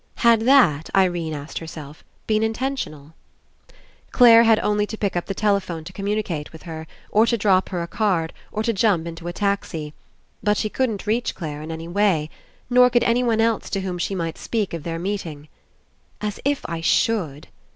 Had that, Irene asked herself, been intentional ? Clare had only to pick up the telephone to communicate with her, or to drop her a card, or to jump into a taxi. But she couldn't reach Clare in any way. Nor could anyone else to whom she might speak of their meeting. "As if I should!"